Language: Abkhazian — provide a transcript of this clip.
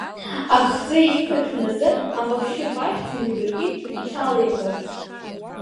Аԥхӡы иқәнаҭәон азы, ампахьшьы пашәӡа инеилыркит иҽалаирбаларц.